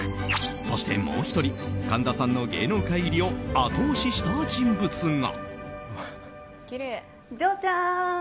そして、もう１人神田さんの芸能界入りを後押しした人物が。